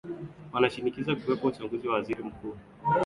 wanashinikiza kuwepo uchaguzi wa waziri mkuu